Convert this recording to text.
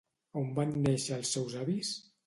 On van néixer els seus avis?